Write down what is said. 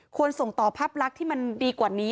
ส่งต่อภาพลักษณ์ที่มันดีกว่านี้